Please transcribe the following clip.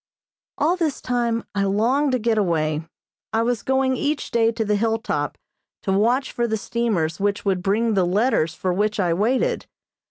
All this time I longed to get away. I was going each day to the hill top to watch for the steamers which would bring the letters for which I waited.